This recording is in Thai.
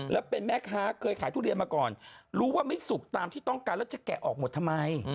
แล้วเป็นแม่ค้าเคยขายทุเรียนมาก่อนรู้ว่าไม่สุกตามที่ต้องการแล้วจะแกะออกหมดทำไม